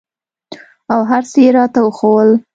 او هرڅه يې راته راوښوول.